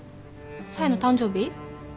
冴の誕生日？